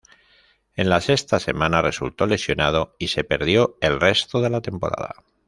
En la sexta semana resultó lesionado y se perdió el resto de la temporada.